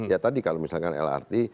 ya tadi kalau misalkan lrt